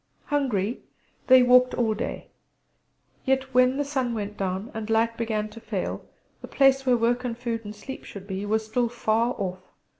Hungry, they walked all day; yet when the sun went down and light began to fail the place where work and food and sleep should be was still far off.